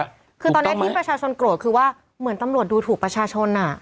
คือตอนนี้ที่ประชาชนโกรธคือว่าเหมือนตำรวจดูถูกประชาชนอ่ะ